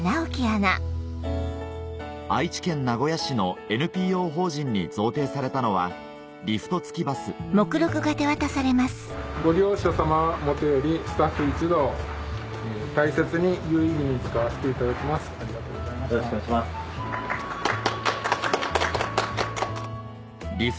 愛知県名古屋市のＮＰＯ法人に贈呈されたのはリフト付きバスご利用者様はもとよりスタッフ一同大切に有意義に使わせていただきます。